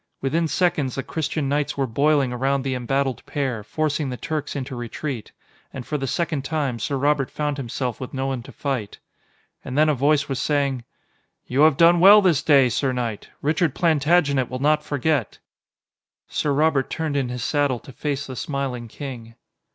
Within seconds, the Christian knights were boiling around the embattled pair, forcing the Turks into retreat. And for the second time, Sir Robert found himself with no one to fight. And then a voice was saying: "You have done well this day, sir knight. Richard Plantagenet will not forget." Sir Robert turned in his saddle to face the smiling king.